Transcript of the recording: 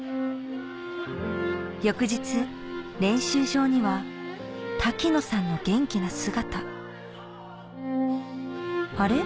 翌日練習場には滝野さんの元気な姿あれ？